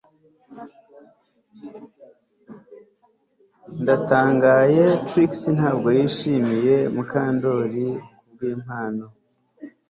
Ndatangaye Trix ntabwo yashimiye Mukandoli kubwimpano